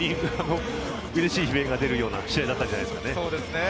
うれしい悲鳴が出るような試合だったのではないですか。